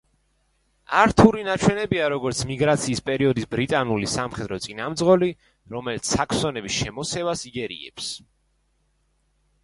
ართური ნაჩვენებია, როგორც მიგრაციის პერიოდის ბრიტანული სამხედრო წინამძღოლი, რომელიც საქსონების შემოსევას იგერიებს.